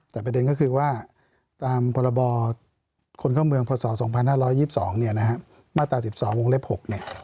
แต่ประเด็นก็คือว่าตามพบคนเข้าเมืองพศ๒๕๒๒มาตรา๑๒องค์เล็บ๖